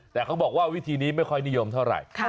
แต่เขาบอกว่าวิธีนี้ไม่ค่อยนิยมเท่าไหร่